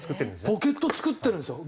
ポケット作ってるんですよ。